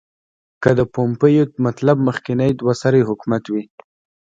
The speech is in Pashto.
که د پومپیو مطلب مخکنی دوه سری حکومت وي.